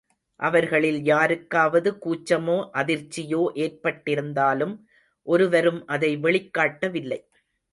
அவர்களில் யாருக்காவது கூச்சமோ அதிர்ச்சியோ ஏற்பட்டிருந்தாலும் ஒருவரும் அதை வெளிக்காட்டவில்லை.